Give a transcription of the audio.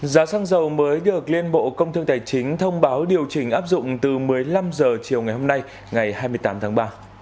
giá xăng dầu mới được liên bộ công thương tài chính thông báo điều chỉnh áp dụng từ một mươi năm h chiều ngày hôm nay ngày hai mươi tám tháng ba